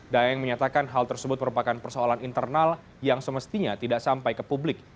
daeng menyatakan hal tersebut merupakan persoalan internal yang semestinya tidak sampai ke publik